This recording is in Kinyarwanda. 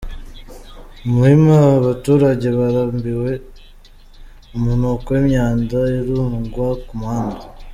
Muhima Abaturage barambiwe umunuko w’imyanda irundwa ku muhanda